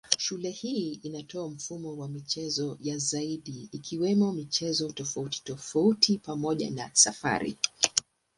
Shule hii inatoa mfumo wa michezo ya ziada ikiwemo michezo tofautitofauti pamoja na safari.